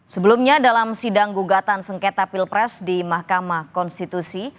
sebelumnya dalam sidang gugatan sengketa pilpres di mahkamah konstitusi